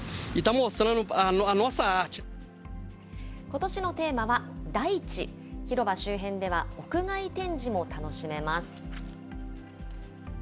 ことしのテーマは、大地、広場周辺では屋外展示も楽しめます。